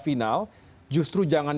final justru jangan